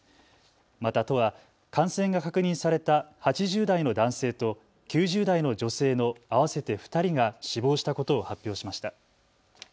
また都は感染が確認された８０代の男性と９０代の女性の合わせて２人が死亡したことを発表しました。